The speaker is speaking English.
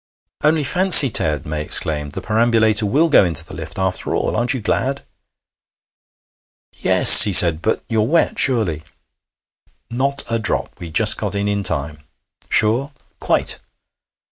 'Only fancy, Ted!' May exclaimed, 'the perambulator will go into the lift, after all. Aren't you glad?' 'Yes,' he said. 'But you're wet, surely?' 'Not a drop. We just got in in time.' 'Sure?' 'Quite.'